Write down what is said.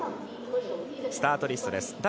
スタートリストです。